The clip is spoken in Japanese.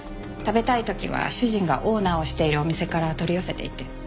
食べたい時は主人がオーナーをしているお店から取り寄せていて。